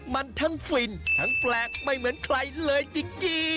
มันทั้งฟินทั้งแปลกไม่เหมือนใครเลยจริง